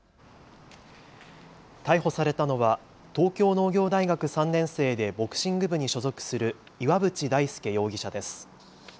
逮捕されたのは東京農業大学３年生でボクシング部に所属する岩渕大輔容疑者です。